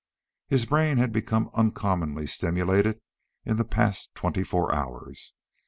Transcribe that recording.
His brain had been uncommonly stimulated in the past twenty some hours.